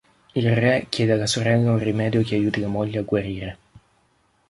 Il Re chiede alla sorella un rimedio che aiuti la moglie a guarire.